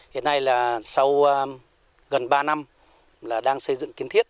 hiện nay là sau gần ba năm là đang xây dựng kiến thiết